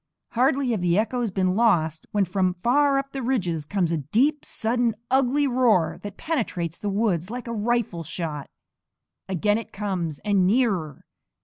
Hardly have the echoes been lost when from far up the ridges comes a deep, sudden, ugly roar that penetrates the woods like a rifle shot. Again it comes, and nearer!